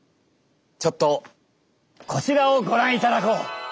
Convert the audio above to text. ちょっとこちらをご覧いただこう。